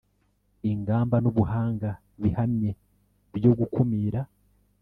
ingamba n ubuhanga bihamye byo gukumira